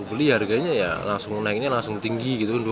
beli harganya ya langsung naiknya langsung tinggi gitu